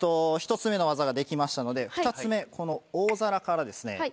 １つ目の技ができましたので２つ目この大皿からですね